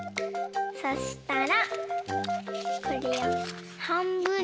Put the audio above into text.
そしたらこれをはんぶんにおります。